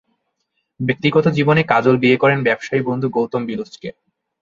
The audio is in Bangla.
ব্যক্তিগত জীবনে কাজল বিয়ে করেন ব্যবসায়ী বন্ধু গৌতম কিচলুকে।